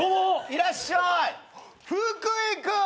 いらっしゃい福井君！